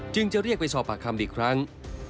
จะเรียกไปสอบปากคำอีกครั้ง